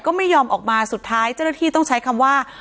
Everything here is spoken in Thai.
ก็ไม่ยอมออกมาสุดท้ายเจ้าหน้าที่ต้องใช้คำว่า